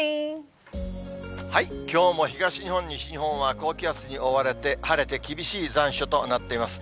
きょうも東日本、西日本は高気圧に覆われて、晴れて厳しい残暑となっています。